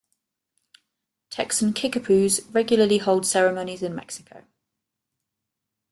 Texan Kickapoos regularly hold ceremonies in Mexico.